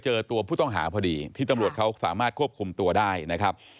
เจอตัวผู้ต้องหาพอดีที่ตำรวจเขาสามารถควบคุมตัวได้นะครับ